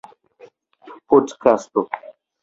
podkasto